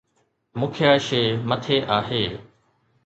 مکيه شيء مٿي آهي.